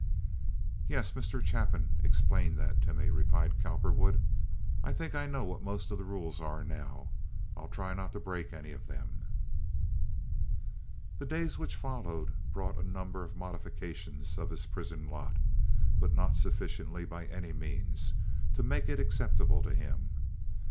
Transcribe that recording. "Yes, Mr. Chapin explained that to me," replied Cowperwood. "I think I know what most of the rules are now. I'll try not to break any of them." The days which followed brought a number of modifications of his prison lot, but not sufficient by any means to make it acceptable to him.